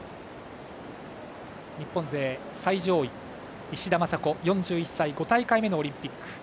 日本勢最上位石田正子、４１歳５大会目のオリンピック。